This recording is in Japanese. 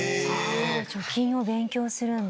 貯金を勉強するんだ。